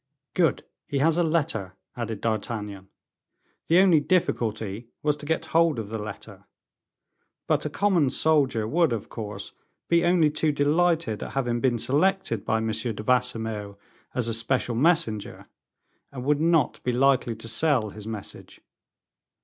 "Good, he has a letter," added D'Artagnan. The only difficulty was to get hold of the letter. But a common soldier would, of course, be only too delighted at having been selected by M. de Baisemeaux as a special messenger, and would not be likely to sell his message.